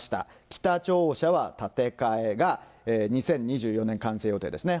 北庁舎は建て替えが２０２４年完成予定ですね。